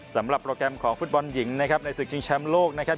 สำหรับโปรแกรมของฟุตบอลหญิงนะครับในศึกชิงแชมป์โลกนะครับ